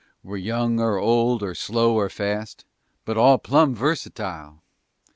We're young or old or slow or fast, But all plumb versatyle.